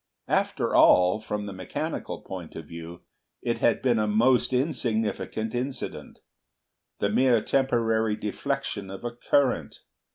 After all, from the mechanical point of view, it had been a most insignificant incident—the mere temporary deflection of a current.